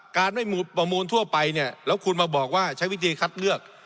การไม่ประมูลทั่วไปเนี่ยแล้วคุณมาบอกว่าใช้วิธีคัดเลือก